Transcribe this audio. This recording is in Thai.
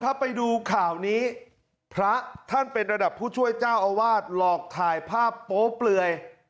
ถ้าไปดูข่าวนี้พระท่านเป็นระดับผู้ช่วยเจ้าอาวาสหลอกถ่ายภาพโป๊เปลือย